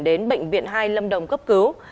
đến bệnh viện hai lâm đồng cấp cứu